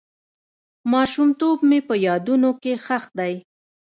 ماشومتوب مې په یادونو کې ښخ دی.